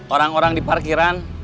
orang orang di parkiran